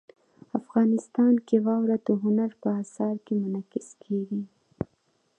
افغانستان کې واوره د هنر په اثار کې منعکس کېږي.